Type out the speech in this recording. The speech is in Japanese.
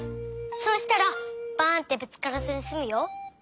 そうしたらバンってぶつからずにすむよ。